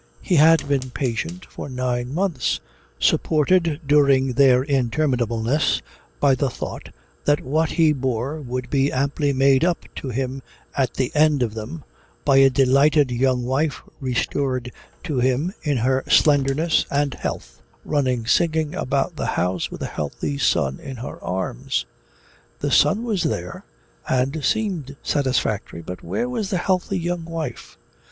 He had been patient for nine months, supported during their interminableness by the thought that what he bore would be amply made up to him at the end of them by a delighted young wife restored to him in her slenderness and health, running singing about the house with a healthy son in her arms. The son was there and seemed satisfactory, but where was the healthy young wife?